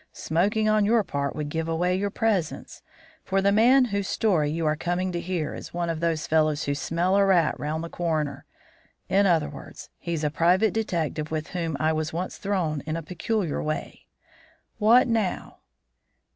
Smoking on your part would give away your presence; for the man whose story you are coming to hear is one of those fellows who smell a rat round the corner. In other words, he's a private detective with whom I was once thrown in a peculiar way. What now?"